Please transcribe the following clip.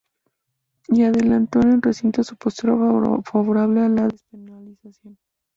Y adelantó en el recinto su postura favorable a la despenalización.